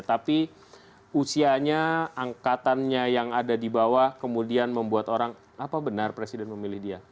tapi usianya angkatannya yang ada di bawah kemudian membuat orang apa benar presiden memilih dia